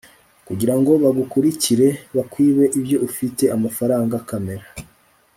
kugirango bagukurikire bakwibe ibyo ufie (amafaranga, camera